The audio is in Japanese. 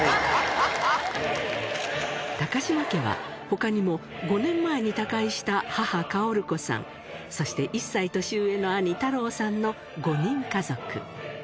高嶋家は、ほかにも５年前に他界した母、薫子さん、そして１歳年上の兄、太郎さんの５人家族。